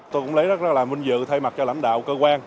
tôi cũng lấy rất là vinh dự thay mặt cho lãnh đạo cơ quan